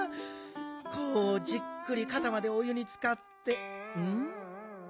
こうじっくりかたまでお湯につかってん？